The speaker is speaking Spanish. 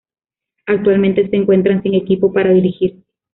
Actualmente se encuentra sin equipo para dirigir.